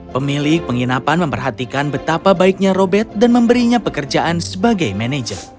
pemilik penginapan memperhatikan betapa baiknya robert dan memberinya pekerjaan sebagai manajer